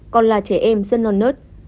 còn là trẻ em dân non nớt